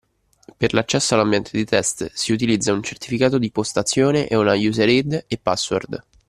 Per l'accesso all'ambiente di test si utilizza un certificato di postazione e una user-id e password.